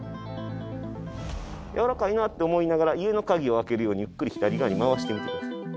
やわらかいなって思いながら家の鍵を開けるようにゆっくり左側に回してみてください。